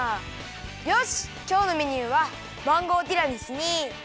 よしきょうのメニューはマンゴーティラミスにきまり！